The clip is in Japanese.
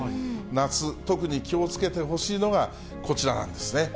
夏、特に気をつけてほしいのが、こちらなんですね。